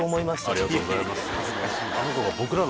ありがとうございます。